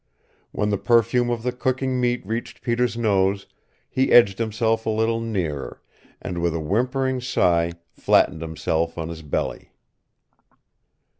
When the perfume of the cooking meat reached Peter's nose he edged himself a little nearer, and with a whimpering sigh flattened himself on his belly.